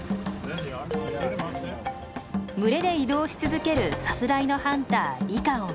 群れで移動し続けるさすらいのハンターリカオン。